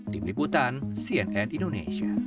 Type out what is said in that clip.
tim liputan cnn indonesia